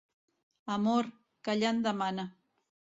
Amor, callant demana.